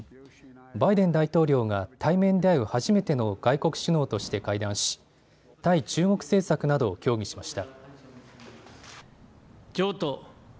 バイデン大統領が対面で会う初めての外国首脳として会談し対中国政策などを協議しました。